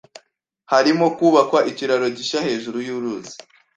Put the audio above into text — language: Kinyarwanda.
Harimo kubakwa ikiraro gishya hejuru yuruzi.